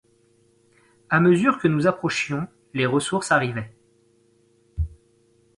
A mesure que nous approchions, les ressources arrivaient.